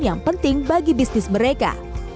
yang penting bagi bisnis mereka